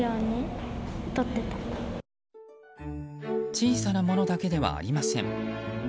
小さなものだけではありません。